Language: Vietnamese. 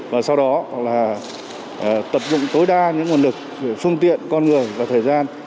và sau đó là tập trung tối đa những nguồn lực phương tiện con người và thời gian